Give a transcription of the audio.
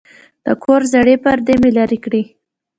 د کور زړې پردې مې لرې کړې.